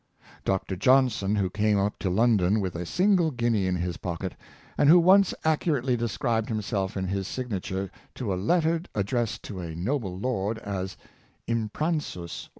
Dr. Johnson, who came up to London with a single guinea in his pocket, and who once accurately described himself in his signature to a letter addressed to a noble lord, as Impransus.